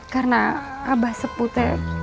karena abah sepute